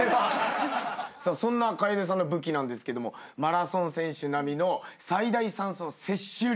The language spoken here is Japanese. さあそんな楓さんの武器なんですけどもマラソン選手並みの最大酸素摂取量。